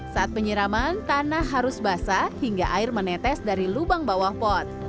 saat penyiraman tanah harus basah hingga air menetes dari lubang bawah pot